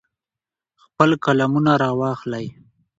خپل قلمونه را واخلئ.